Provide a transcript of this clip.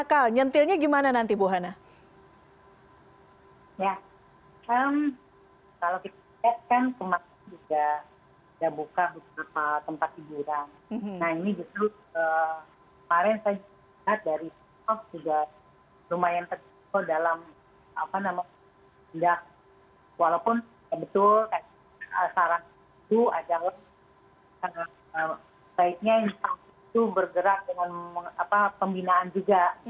karena sebaiknya itu bergerak dengan pembinaan juga